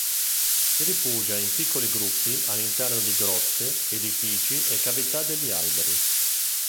Si rifugia in piccoli gruppi all'interno di grotte, edifici e cavità degli alberi.